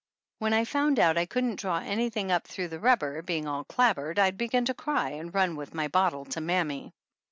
When I found out I couldn't draw anything up through the rubber, being all clabbered, I'd begin to cry and run with my bottle to mammy.